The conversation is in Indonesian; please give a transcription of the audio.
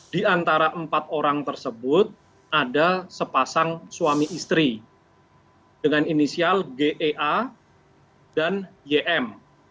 di antara empat orang tersebut ada sepasang suami istri dengan inisial gea dan ym